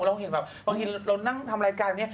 แล้วก็เห็นแบบบางทีเรานั่งทำรายการอย่างนี้